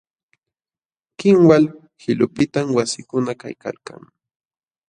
Kinwal qilupiqtam wasikuna kaykalkan.